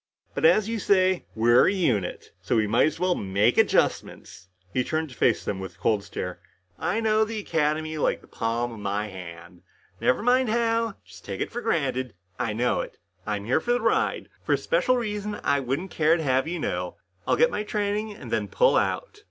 But, as you say, we're a unit. So we might as well make adjustments." He turned to face them with a cold stare. "I know this Academy like the palm of my hand," he went on. "Never mind how, just take it for granted. I know it. I'm here for the ride. For a special reason I wouldn't care to have you know. I'll get my training and then pull out."